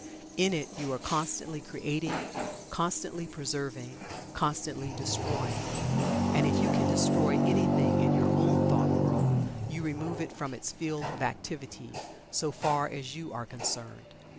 In it you are constantly creating constantly preserving constantly destroying. And if you can destroy anything in your own thought world you remove it from its field of activity, so far as you are concerned.